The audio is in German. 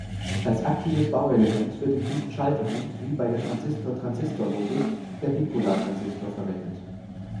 Als aktives Bauelement wird in diesen Schaltungen, wie bei der Transistor-Transistor-Logik, der Bipolartransistor verwendet.